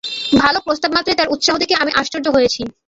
ভালো প্রস্তাবমাত্রেই তাঁর উৎসাহ দেখে আমি আশ্চর্য হয়েছি।